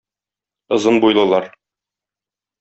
Озын буйлылар.